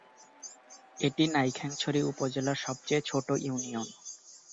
এটি নাইক্ষ্যংছড়ি উপজেলার সবচেয়ে ছোট ইউনিয়ন।